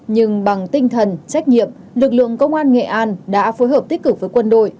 nhưng bằng tinh thần trách nhiệm lực lượng công an nghệ an đã phối hợp tích cực với quân đội